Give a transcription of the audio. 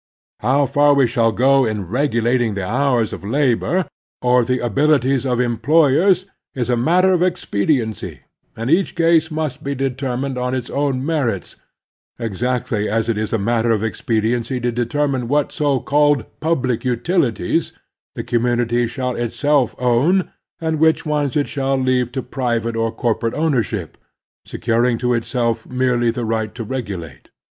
How far we shall go in regulating the hours of labor, or the Uabilities of employers, is a matter of expediency, and each case must be determined on its own merits, exactly as it is a matter of expediency to determine what so called public utilities the The Labor Question 291 community shall itself own and what ones it shall leave to private or corporate ownership, securing to itself merely the right to regulate.